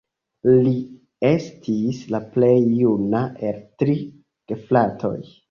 Li estis la plej juna el tri gefratoj.